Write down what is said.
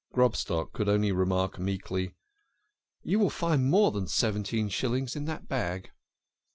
Grobstock could only remark meekly :" You will find more than seventeen shillings in the bag."